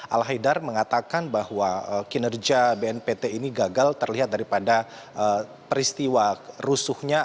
al haidar mengatakan bahwa kinerja bnpt ini gagal terlihat daripada peristiwa rusuhnya